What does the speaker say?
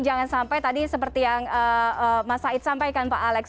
jangan sampai tadi seperti yang mas said sampaikan pak alex